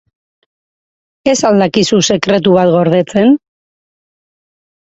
Ez al dakizu sekretu bat gordetzen?